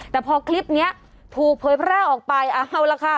แต่พอคลิปนี้ถูกเผยแพร่ออกไปเอาล่ะค่ะ